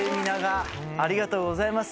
ありがとうございます。